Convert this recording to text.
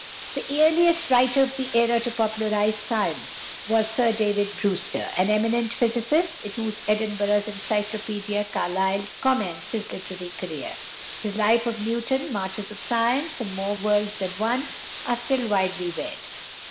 The earliest writer of the era to popularise science was =Sir David Brewster (1781 1868)=, an eminent physicist, in whose Edinburgh Cyclopædia Carlyle commenced his literary career. His "Life of Newton," "Martyrs of Science," and "More Worlds than One" are still widely read.